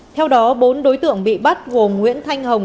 theo đó bốn đối tượng bị bắt gồm nguyễn thanh hồng